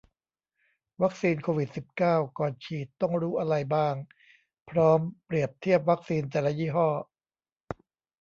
วัคซีนโควิด สิบเก้า ก่อนฉีดต้องรู้อะไรบ้าง พร้อมเปรียบเทียบวัคซีนแต่ละยี่ห้อ